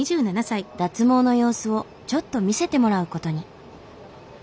脱毛の様子をちょっと見せてもらうことに。